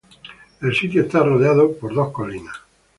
El sitio está rodeado por dos colinas.